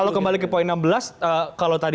kalau kembali ke poin enam belas kalau tadi